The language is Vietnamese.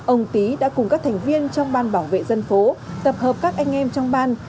ông tý đã cùng các thành viên trong ban bảo vệ dân phố tập hợp các anh em trong ban